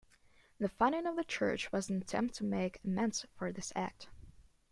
The funding of the church was an attempt to make amends for this act.